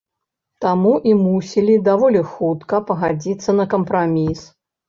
Таму і мусілі даволі хутка пагадзіцца на кампраміс.